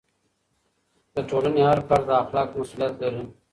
د ټولنې هر فرد د اخلاقو مسؤلیت لري.